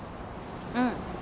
うん。